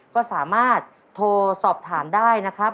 ก็สามารถโทรสอบถามได้นะครับ